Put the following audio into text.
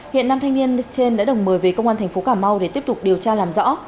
hiện nam thanh niên trên đã được mời về công an thành phố cà mau để tiếp tục điều tra làm rõ